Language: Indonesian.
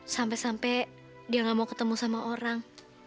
sampai sampai dia gak mau ketemu sama orang